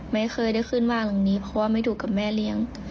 ไม่เคยได้ขึ้นมาตรงนี้เพราะว่าไม่ถูกกับแม่เลี้ยง